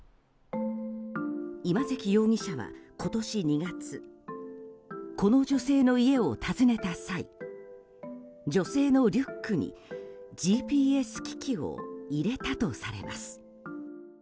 今関容疑者は今年２月この女性の家を訪ねた際女性のリュックにＧＰＳ機器を入れたとされます。